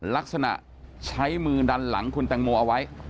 ลักษณะใช้มือดันหลังคุณแตงโมเอาไว้